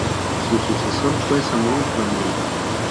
Su sucesor fue Samuel Ramey.